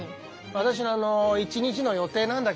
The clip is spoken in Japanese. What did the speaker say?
私の１日の予定なんだけども。